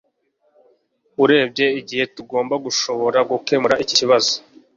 Urebye igihe tugomba gushobora gukemura iki kibazo